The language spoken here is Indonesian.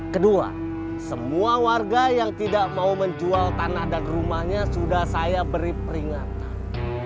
kedua semua warga yang tidak mau menjual tanah dan rumahnya sudah saya beri peringatan